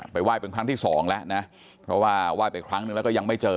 ไห้เป็นครั้งที่สองแล้วนะเพราะว่าไหว้ไปครั้งนึงแล้วก็ยังไม่เจอ